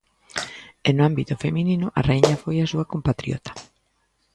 E no ámbito feminino a raíña foi a súa compatriota.